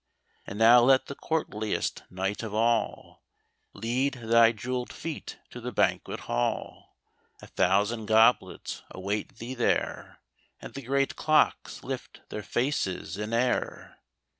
And now let the courtliest knight of all Lead thy jeweled feet to the banquet hall ; A thousand goblets await thee there. And the great clocks lift their faces in air.